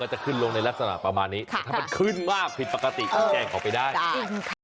จะขึ้นลงในลักษณะประมาณนี้แต่ถ้ามันขึ้นมากผิดปกติก็แจ้งเขาไปได้